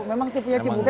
memang tipenya si butet tuh